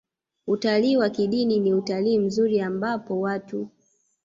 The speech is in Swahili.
Utalii wa kidini ni utalii mzuri ambapo watu